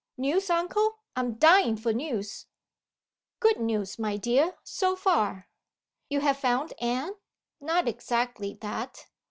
"News, uncle! I'm dying for news." "Good news, my dear so far." "You have found Anne?" "Not exactly that."